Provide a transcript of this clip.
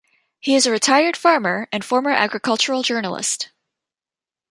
He is a retired farmer and former agricultural journalist.